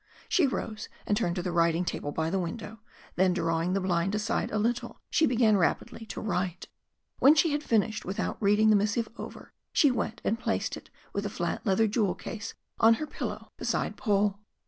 She rose and turned to the writing table by the window, then drawing the blind aside a little she began rapidly to write. When she had finished, without reading the missive over, she went and placed it with a flat leather jewel case on her pillow beside Paul.